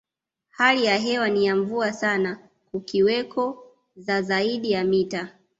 Hali ya hewa ni ya mvua sana kukiweko za zaidi ya mita